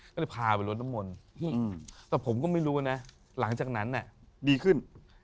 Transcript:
ก็เลยพาไปลดน้ำมนต์แต่ผมก็ไม่รู้นะหลังจากนั้นดีขึ้น